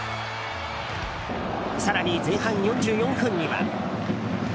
更に、前半４４分には。